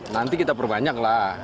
nanti kita perbanyaklah